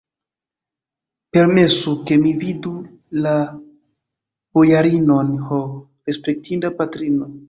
Permesu, ke mi vidu la bojarinon, ho, respektinda patrino!